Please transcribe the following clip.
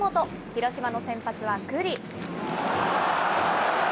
広島の先発は九里。